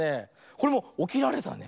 これもおきられたね。